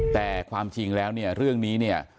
แต่ความจริงแล้วเนี่ยเรื่องนี้เนี่ย